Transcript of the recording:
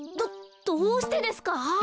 どどうしてですか？